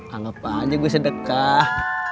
anggap aja gua sedekah